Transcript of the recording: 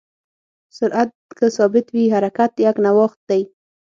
سرعت که ثابت وي، حرکت یکنواخت دی.